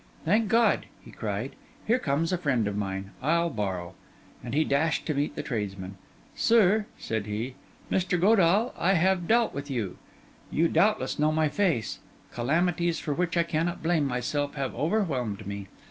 'Thank God!' he cried. 'Here comes a friend of mine. I'll borrow.' And he dashed to meet the tradesman. 'Sir,' said he, 'Mr. Godall, I have dealt with you—you doubtless know my face—calamities for which I cannot blame myself have overwhelmed me.